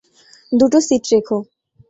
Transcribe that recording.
দুটো সিট রেখো।